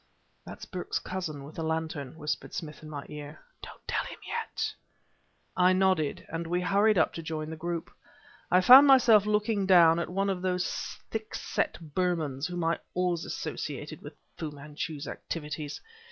"That's Burke's cousin with the lantern," whispered Smith in my ear; "don't tell him yet." I nodded, and we hurried up to join the group. I found myself looking down at one of those thick set Burmans whom I always associated with Fu Manchu's activities.